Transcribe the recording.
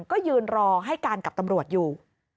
ก็ยืนรอให้การกับตำรวจอยู่